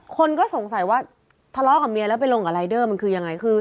คนก็สงสัยว่าทะเลาะกับเมียแล้วไปลงกับรายเดอร์มันคือยังไง